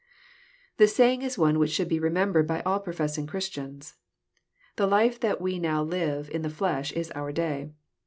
\ The saying is one which should be remembered by all professing Christians. The life that we now live in the flesh is our day.